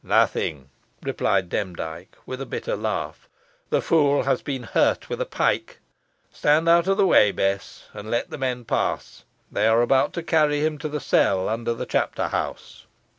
"Nothing," replied Demdike with a bitter laugh; "the fool has been hurt with a pike. Stand out of the way, Bess, and let the men pass. They are about to carry him to the cell under the chapter house."